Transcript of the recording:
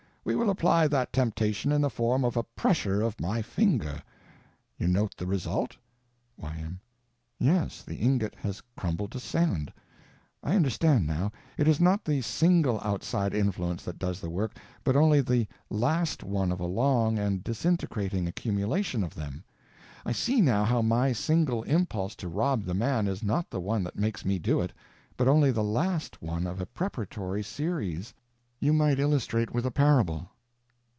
We will apply that temptation in the form of a pressure of my finger. You note the result? Y.M. Yes; the ingot has crumbled to sand. I understand, now. It is not the _single _outside influence that does the work, but only the _last _one of a long and disintegrating accumulation of them. I see, now, how my _single _impulse to rob the man is not the one that makes me do it, but only the _last _one of a preparatory series. You might illustrate with a parable.